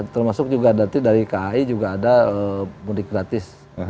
termasuk juga nanti dari kai juga ada mudik gratis